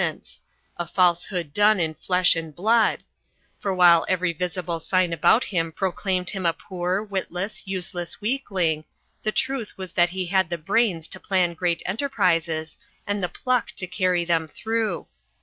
He was a falsehood done in flesh and blood; for while every visible sign about him proclaimed him a poor, witless, useless weakling, the truth was that he had the brains to plan great enterprises and the pluck to carry them through.